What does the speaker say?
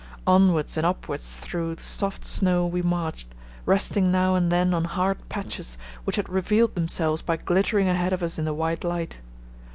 Onwards and upwards through soft snow we marched, resting now and then on hard patches which had revealed themselves by glittering ahead of us in the white light.